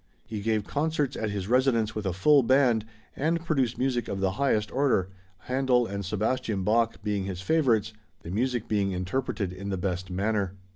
He gave concerts at his residence with a full band, and produced music of the highest order, Händel and Sebastian Bach being his favorites, the music being interpreted in the best manner.